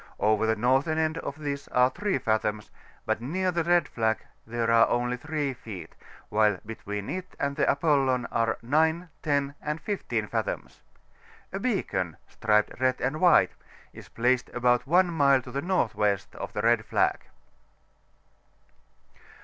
Over the northern end of this are 3 fathoms, but near the red flag there are only 3 feet, while between it and the ApoUon are 9, 10, and 15 fathoms. A beacon, striped red and white, is placed about one mile to the N.W. of the red flag.